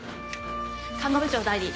看護部長代理。